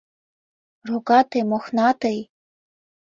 — Рогатый-мохнатый!..